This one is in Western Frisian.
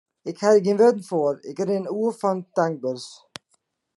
Ik ha der gjin wurden foar, ik rin oer fan tankberens.